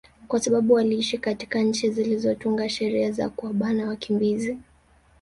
kwa sababu waliiishi katika nchi zilizotunga sheria za kuwabana wakimbizi